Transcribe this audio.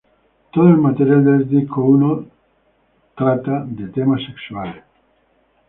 Todo el material del disco uno trata de temas sexuales.